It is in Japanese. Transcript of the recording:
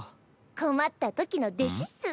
困ったときの弟子っス。